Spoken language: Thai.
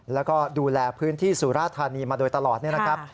แล้วก็ดูแลพื้นที่สุราธานีมาโดยตลอดนี่นะครับ